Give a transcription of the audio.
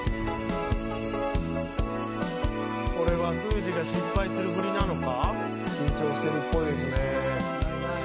これはすーじーが失敗するふりなのか。